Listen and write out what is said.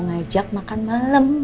mau ngajak makan malam